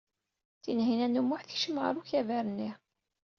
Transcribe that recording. Tinhinan u Muḥ tekcem ɣer ukabar-nni.